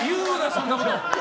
そんなこと！